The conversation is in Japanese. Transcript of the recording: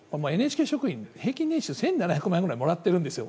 ＮＨＫ職員の平均年収は１７００万円ぐらい持ってるんですよ。